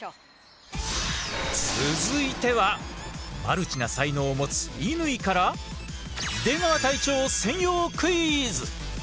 続いてはマルチな才能を持つ乾から出川隊長専用クイズ！